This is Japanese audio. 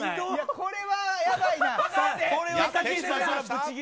これはやばいな。